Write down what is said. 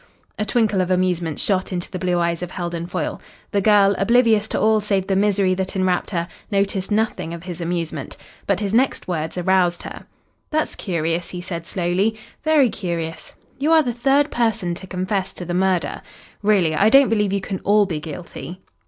A twinkle of amusement shot into the blue eyes of Heldon Foyle. The girl, oblivious to all save the misery that enwrapped her, noticed nothing of his amusement. But his next words aroused her. "That's curious," he said slowly, "very curious. You are the third person to confess to the murder. Really, I don't believe you can all be guilty."